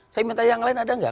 saya minta yang lain ada nggak